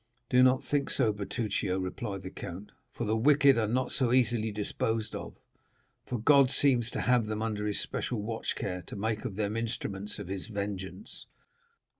"Do not think so, Bertuccio," replied the count; "for the wicked are not so easily disposed of, for God seems to have them under his special watch care to make of them instruments of his vengeance."